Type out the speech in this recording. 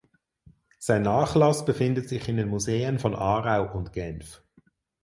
Sein Nachlass befindet sich in den Museen von Aarau und Genf.